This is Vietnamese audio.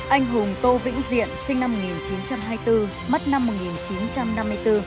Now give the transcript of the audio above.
anh hùng tô vĩnh diện sinh năm một nghìn chín trăm hai mươi bốn mất năm một nghìn chín trăm năm mươi bốn